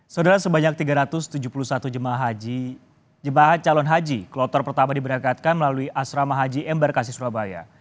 saudara sebanyak tiga ratus tujuh puluh satu jemaah calon haji kloter pertama diberangkatkan melalui asrama haji embarkasi surabaya